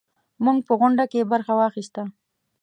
موږ په غونډه کې برخه واخیسته.